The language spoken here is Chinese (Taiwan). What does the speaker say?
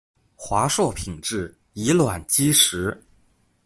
華碩品質以卵擊石